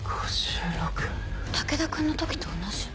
武田君の時と同じ？